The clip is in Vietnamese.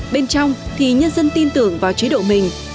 bên trong thì nhân dân tin tưởng vào chế độ mình